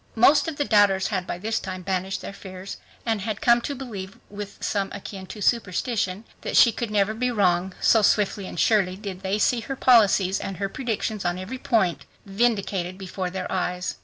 Most of the doubters had by this time banished their fears and had come to believe with something akin to superstition that she could never be wrong, so swiftly and surely, did they see her policies and her predictions on every point vindicated before their eyes.